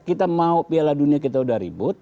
kita mau piala dunia kita sudah ribut